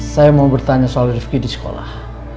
saya mau bertanya soal rifki di sekolah